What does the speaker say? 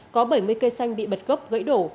có bảy mươi cây xanh bị bật gốc gãy đổ